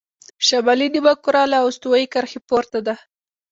شمالي نیمهکره له استوایي کرښې پورته ده.